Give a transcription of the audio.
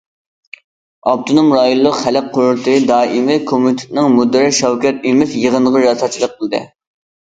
ئاپتونوم رايونلۇق خەلق قۇرۇلتىيى دائىمىي كومىتېتىنىڭ مۇدىرى شاۋكەت ئىمىن يىغىنغا رىياسەتچىلىك قىلدى.